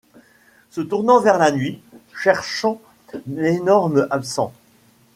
Se tourna vers la nuit, cherchant l’énorme absent.